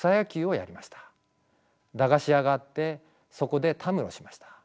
駄菓子屋があってそこでたむろしました。